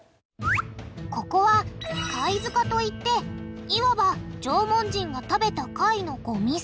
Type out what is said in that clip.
ここは貝塚と言っていわば縄文人が食べた貝のゴミ捨て場。